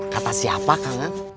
kata siapa kang aset